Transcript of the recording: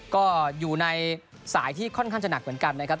ก็อยู่ในสายที่ค่อนข้างจะหนักเหมือนกันนะครับ